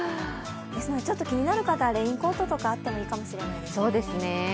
ですので気になる方はレインコートとかあってもいいかもしれません。